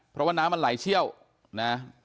เพราะว่าน้ำมันไหลเชี่ยวนะ